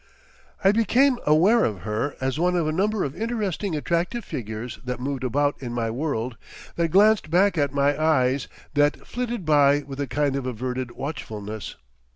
I became aware of her as one of a number of interesting attractive figures that moved about in my world, that glanced back at my eyes, that flitted by with a kind of averted watchfulness.